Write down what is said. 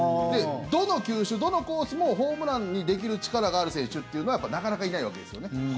どの球種、どのコースもホームランにできる力がある選手っていうのはなかなかいないわけですよね。